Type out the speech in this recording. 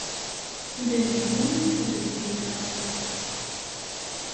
Ula d yiwen ur t-ttbeddileɣ.